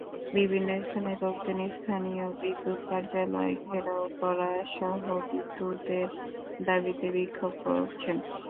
বিভিন্ন স্থানে লোকজন স্থানীয় বিদ্যুৎ কার্যালয় ঘেরাও করাসহ বিদ্যুতের দাবিতে বিক্ষোভ করছেন।